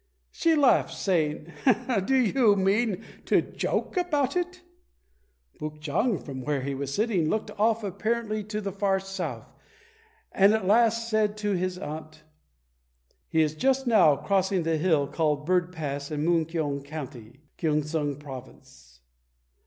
She laughed, saying, "Do you mean to joke about it?" Puk chang, from where he was sitting, looked off apparently to the far south, and at last said to his aunt, "He is just now crossing the hill called Bird Pass in Mun kyong County, Kyong sang Province.